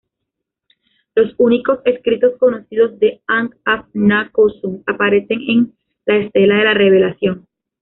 Los únicos escritos conocidos de Ankh-af-na-khonsu aparecen en la Estela de la Revelación.